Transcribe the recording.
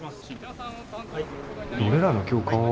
俺らの教官は？